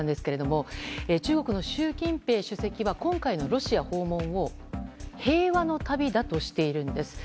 中国の習近平主席は今回のロシア訪問を平和の旅だとしているんです。